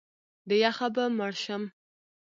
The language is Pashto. د یخه به مړ شم!